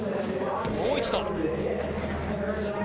もう一度。